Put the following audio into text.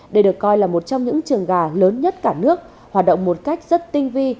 đây được coi là một trong những trường gà lớn nhất cả nước hoạt động một cách rất tinh vi